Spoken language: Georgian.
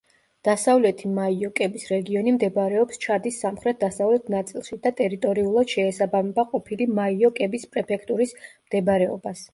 დასავლეთი მაიო-კების რეგიონი მდებარეობს ჩადის სამხრეთ-დასავლეთ ნაწილში და ტერიტორიულად შეესაბამება ყოფილი მაიო-კების პრეფექტურის მდებარეობას.